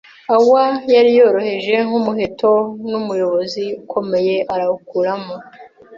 Hawers yari yoroheje nkumuheto, numuyoboro ukomeye arawukuramo